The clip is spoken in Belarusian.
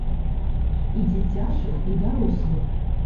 І дзіцячых, і дарослых.